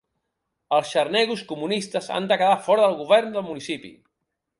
Els xarnegos comunistes han de quedar fora del govern del municipi.